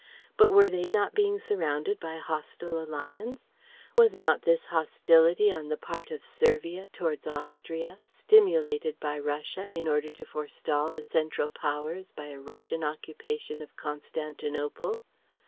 But were they not being surrounded by a hostile Alliance? Was not this hostility on the part of Servia towards Austria stimulated by Russia in order to forestal the Central Powers by a Russian occupation of Constantinople?